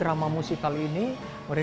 setidaknya bagus betul maksud saya ibu